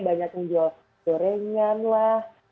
banyak yang jual gorengan lah